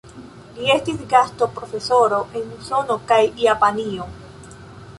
Li estis gastoprofesoro en Usono kaj Japanio.